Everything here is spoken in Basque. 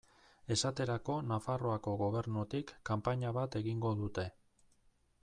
Esaterako Nafarroako Gobernutik kanpaina bat egingo dute.